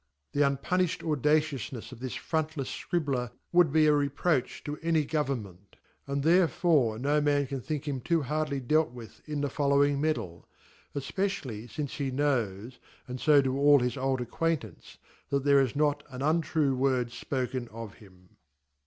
TheunpunijUd audacioufnefs of 'this front Jefs Scribkr .would be a reproach to any Government ; and there fore no wan can think him too hardly dealt with in the following Medal ; efpecially.fxnce he knows, and fo do all his old acquain tance, that thece is not an untrue wordfpoken of him.